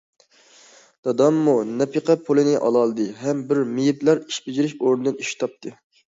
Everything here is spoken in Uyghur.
داداممۇ نەپىقە پۇلىنى ئالالىدى ھەم بىر مېيىپلەر ئىش بېجىرىش ئورنىدىن ئىش تاپتى.